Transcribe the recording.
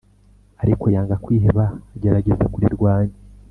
ariko yanga kwiheba, agerageza kurirwanya.